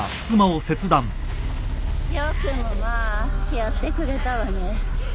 よくもまあやってくれたわね。